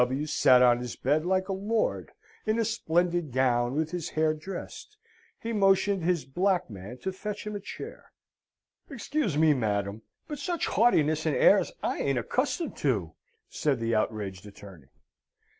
W. sat on his bed, like a lord, in a splendid gown with his hair dressed. He motioned his black man to fetch him a chair. "Excuse me, madam, but such haughtiness and airs I ain't accustomed to!" said the outraged attorney.